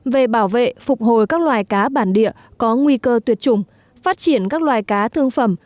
về bảo vệ phục hồi các loài cá bản địa có nguy cơ tuyệt chủng phát triển các loài cá thương phẩm